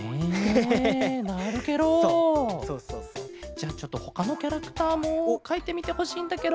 じゃあちょっとほかのキャラクターもかいてみてほしいんだケロ。